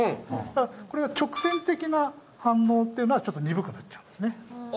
ただこれが直線的な反応っていうのはちょっと鈍くなっちゃうんですね。